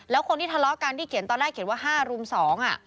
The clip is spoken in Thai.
แล้วคนที่ทะเลาะกันที่เขียนตอนแรกเขียนว่า๕รุม๒